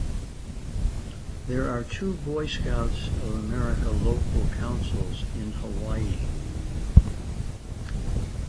There are two Boy Scouts of America local councils in Hawaii.